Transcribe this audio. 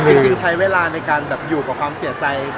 จริงใช้เวลาในการอยู่กับความเสียใจ